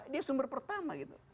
dia sumber pertama gitu